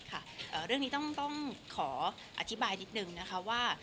เรื่องนี้ต้องขออธิบายนิดนึงนะคะว่า